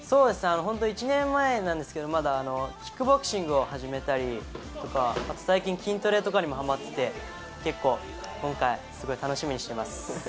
１年前なんですけどキックボクシングを始めたり最近、筋トレにもハマってて今回すごい楽しみにしてます。